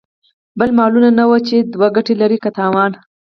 بل مالومه نه وه چې دوا ګته لري که تاوان.